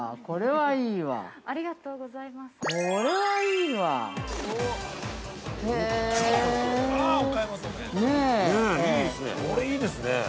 これ、いいですね。